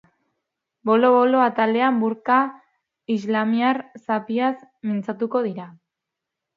Bolo-bolo atalean burka islamiar-zapiaz mintzatuko dira.